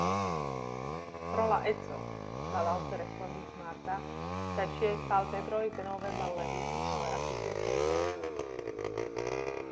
Pro la edzo, mallaŭte respondis Marta, kaj ŝiaj palpebroj denove malleviĝis malrapide kaj peze.